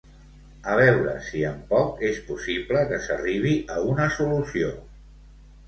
A veure si en poc és possible que s'arribi a una solució!